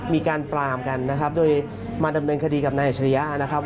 มีการปรามกันนะครับโดยมาดำเนินคดีกับนายอัจฉริยะนะครับ